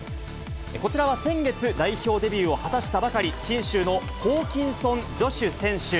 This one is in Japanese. こちらは、先月代表デビューを果たしたばかり、信州のホーキンソン・ジョシュ選手。